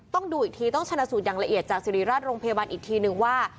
ต้องดูอีกทีต้องชนะสูตรอย่างละเอียดจากสิริราชโรงพยาบาลอีกทีนึงว่า